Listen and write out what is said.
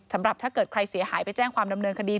ถ้าเกิดใครเสียหายไปแจ้งความดำเนินคดี